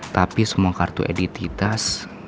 tapi semua kartu edititas